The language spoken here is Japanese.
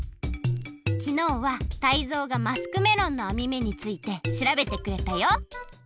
きのうはタイゾウがマスクメロンのあみめについてしらべてくれたよ！